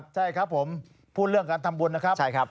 ใช่ครับผมพูดเรื่องการทำบุญนะครับ